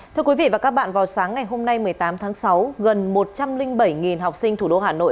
thưa quý vị và các bạn vào sáng ngày hôm nay một mươi tám tháng sáu gần một trăm linh bảy học sinh thủ đô hà nội